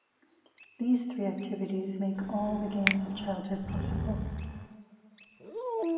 These three activities make all the games of childhood possible.